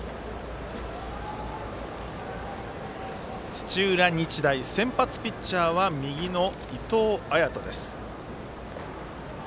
土浦日大、先発ピッチャーは右の伊藤彩斗です。